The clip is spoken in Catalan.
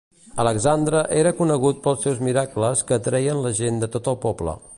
Alexandre era conegut pels seus miracles que atreien la gent de tot el poble.